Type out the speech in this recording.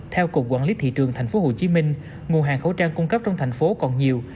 theo cục quản lý thị trường tp hcm nguồn hàng khẩu trang cung cấp trong thành phố còn nhiều